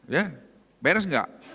ya beres gak